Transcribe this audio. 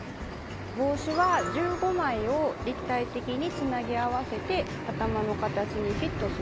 帽子は１５枚を立体的につなぎ合わせて頭の形にフィットするように。